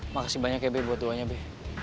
makasih banyak ya be buat doanya be